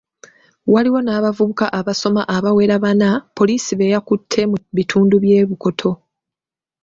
Waliwo n’abavubuka abasoma abawera bana, poliisi be yakutte mu bitundu by’e Bukoto.